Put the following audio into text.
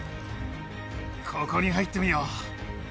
ここに入ってみよう。